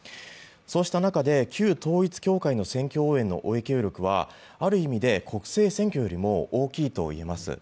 そうした中で、旧統一教会の選挙応援の影響力はある意味で国政選挙よりも大きいと言えます。